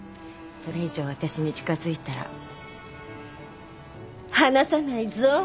それ以上私に近づいたら離さないぞー。